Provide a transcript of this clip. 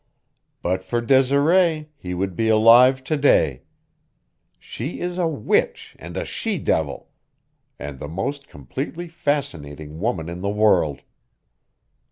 But for Desiree he would be alive to day. She is a witch and a she devil, and the most completely fascinating woman in the world."